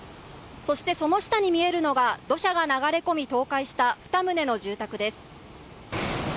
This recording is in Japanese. そしてその下に見えるのが、土砂が流れ込み倒壊した２棟の住宅です。